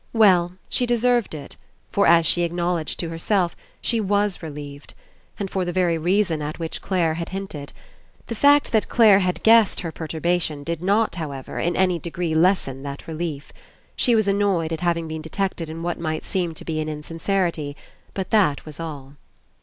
Well, she deserved it, for, as she acknowledged to herself, she was relieved. And for the very reason at which Clare had hinted. The fact that Clare had guesssed her perturbation did not, however. In any degree lessen that relief. She was annoyed at having been detected in what might seem to be an insincerity; but that was all.